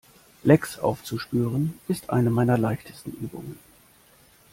Lecks aufzuspüren, ist eine meiner leichtesten Übungen.